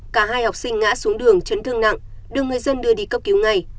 cả hai học sinh ngã xuống đường chấn thương nặng được người dân đưa đi cấp cứu ngay